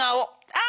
「あ！